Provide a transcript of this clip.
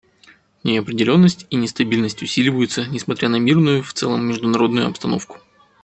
Неопределенность и нестабильность усиливаются, несмотря на мирную в целом международную обстановку.